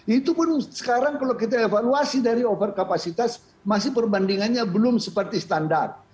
itu pun sekarang kalau kita evaluasi dari over kapasitas masih perbandingannya belum seperti standar